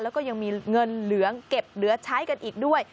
แล้วก็ยังมีเงินเหลืองเก็บเหลือใช้กันอีกด้วย